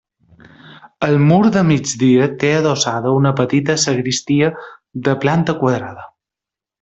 Al mur de migdia té adossada una petita sagristia de planta quadrada.